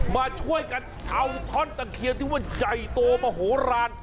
มาช่วยกันเทาท่อนตะเคียที่ว่าใจโตมโหราณ